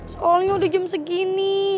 soalnya udah jam segini